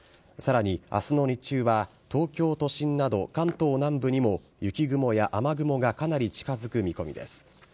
さらに、あすの日中は、東京都心など、関東南部にも雪雲や雨雲がかなり近づく見込みです。